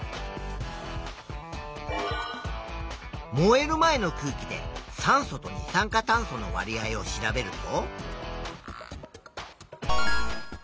燃える前の空気で酸素と二酸化炭素のわり合を調べると。